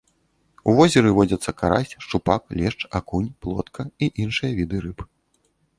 У возеры водзяцца карась, шчупак, лешч, акунь, плотка і іншыя віды рыб.